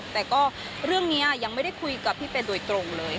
แต่ก็เรื่องนี้ยังไม่ได้คุยกับพี่เป็นโดยตรงเลย